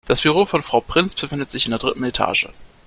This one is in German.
Das Büro von Frau Prinz befindet sich in der dritten Etage.